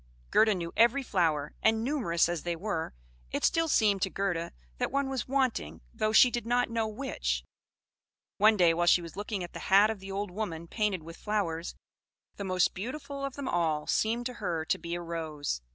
Gerda knew every flower; and, numerous as they were, it still seemed to Gerda that one was wanting, though she did not know which. One day while she was looking at the hat of the old woman painted with flowers, the most beautiful of them all seemed to her to be a rose.